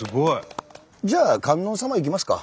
じゃあ観音様行きますか。